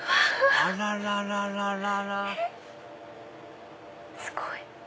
あららららすごい！